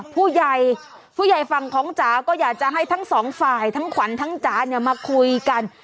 ผู้ใหญ่ผู้ใหญ่ฝั่งของจ๋าก็อยากจะให้ทั้งสองฝ่ายทั้งขวัญทั้งจ๋าเนี่ยมาคุยกัน